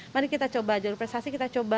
mari kita coba jalur prestasi kita coba